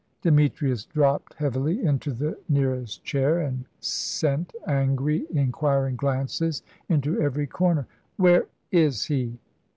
Demetrius dropped heavily into the nearest chair, and sent angry, inquiring glances into every corner. "Where is he?"